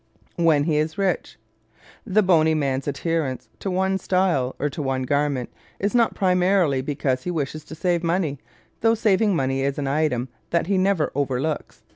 When He is Rich ¶ The bony man's adherence to one style or to one garment is not primarily because he wishes to save money, though saving money is an item that he never overlooks.